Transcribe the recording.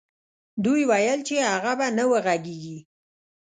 دوی ويل چې هغه به نه وغږېږي.